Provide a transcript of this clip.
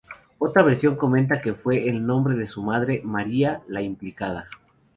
Otra versión comenta que fue el nombre de su madre, María, la implicada.